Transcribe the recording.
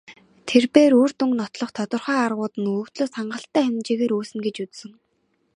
Тэр бээр үр дүнг нотлох тодорхой аргууд нь өгөгдлөөс хангалттай хэмжээгээр үүснэ гэж үзсэн.